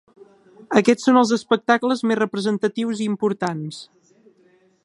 Aquests són els espectacles més representatius i importants.